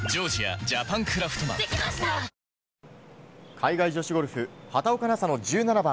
海外女子ゴルフ畑岡奈紗の１７番。